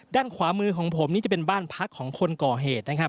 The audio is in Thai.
ด้านขวามือของผมนี่จะเป็นบ้านพักของคนก่อเหตุนะครับ